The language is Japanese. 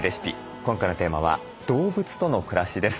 今回のテーマは「動物との暮らし」です。